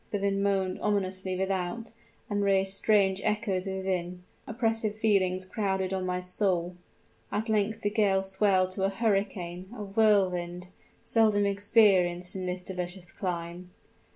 The wind moaned ominously without, and raised strange echoes within; oppressive feelings crowded on my soul. At length the gale swelled to a hurricane a whirlwind, seldom experienced in this delicious clime.